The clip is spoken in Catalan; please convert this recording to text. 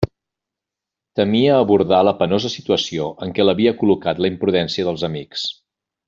Temia abordar la penosa situació en què l'havia col·locat la imprudència dels amics.